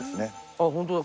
あっホントだ。